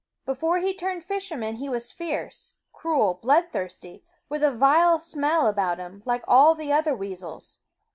Before he turned fisherman he was fierce, cruel, bloodthirsty, with a vile smell about him, like all the other weasels.